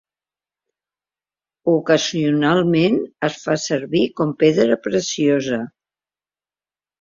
Ocasionalment es fa servir com pedra preciosa.